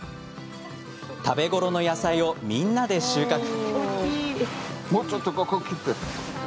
食べ頃の野菜をみんなで収穫。